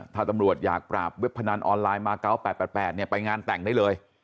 ถ้าตำรวจอยากปราบเว็บพนันออนไลน์มา๙๘๘ไปงานแต่งได้เลย